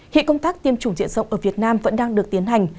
hiện công tác tiêm chủng diện rộng ở việt nam vẫn đang được tiến hành